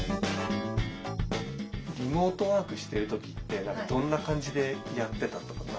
リモートワークしてる時ってどんな感じでやってたとか？